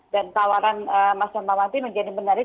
dan tawaran mas hermawan tadi menjadi menarik